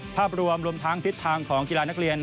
ภาพรวมรวมทั้งทิศทางของกีฬานักเรียน